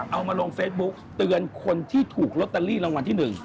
เอามาลงเฟซบุ๊กเตือนคนที่ถูกลอตเตอรี่รางวัลที่๑